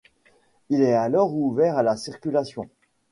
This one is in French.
Il est alors ouvert à la circulation.